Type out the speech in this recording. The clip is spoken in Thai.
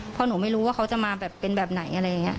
เพราะหนูไม่รู้ว่าเขาจะมาเป็นแบบไหน